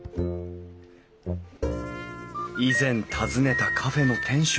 以前訪ねたカフェの店主